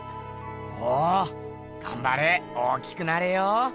おおがんばれ大きくなれよ！